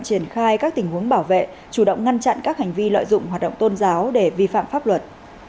triển khai các tình huống bảo vệ chủ động ngăn chặn các hành vi lợi dụng hoạt động tôn giáo để vi phạm pháp luật